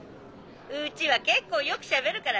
☎うちは結構よくしゃべるからね。